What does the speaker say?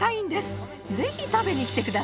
ぜひ食べに来てくださいね。